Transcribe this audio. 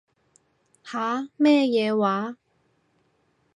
吓？咩嘢話？